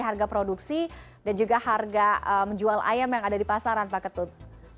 harga produksi dan juga harga menjual ayam yang ada di pasaran pak ketut